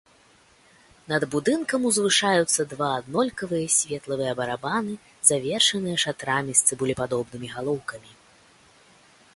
Над будынкам узвышаюцца два аднолькавыя светлавыя барабаны, завершаныя шатрамі з цыбулепадобнымі галоўкамі.